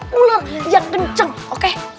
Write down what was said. muler yang kenceng oke